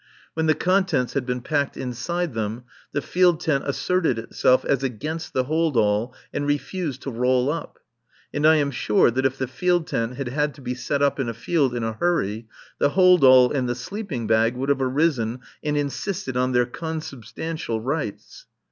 When the contents had been packed inside them, the field tent asserted itself as against the hold all and refused to roll up. And I am sure that if the field tent had had to be set up in a field in a hurry, the hold all and the sleeping bag would have arisen and insisted on their consubstantial rights.